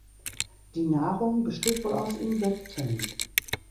Die Nahrung besteht wohl aus Insekten.